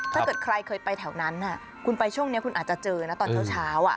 ถ้าเกิดใครเคยไปแถวนั้นคุณไปช่วงนี้คุณอาจจะเจอนะตอนเช้า